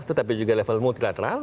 tetapi juga level multilateral